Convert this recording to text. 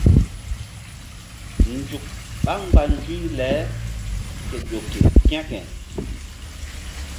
Nzuk ɓá mgba nzuyble ke ƴo ke kȩke.